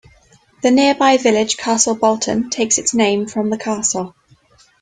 The nearby village Castle Bolton takes its name from the castle.